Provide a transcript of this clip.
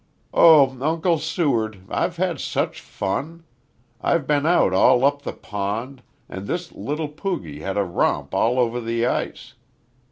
"Oh Uncle Seward, I've had such fun. I've been out all up the pond, and this little poogie had a romp all over the ice.